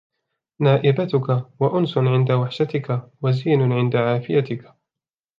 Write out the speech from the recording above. نَائِبَتِك ، وَأُنْسٌ عِنْدَ وَحْشَتِك ، وَزَيْنٌ عِنْدَ عَافِيَتك